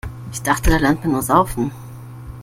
Ich dachte, da lernt man nur Saufen.